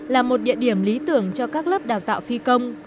là một địa điểm lý tưởng cho các lớp đào tạo phi công